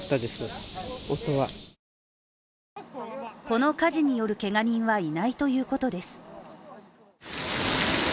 この火事によるけが人はいないということです。